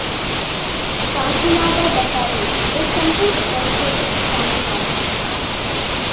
Shantinatha Basadi:This temple is dedicated to Shantinatha.